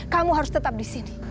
kamu harus tetap di sini